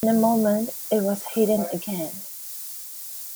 In a moment it was hidden again.